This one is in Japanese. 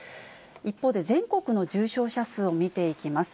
一方で全国の重症者数を見ていきます。